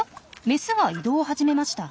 メスが移動を始めました。